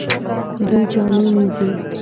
دوی جامې مینځي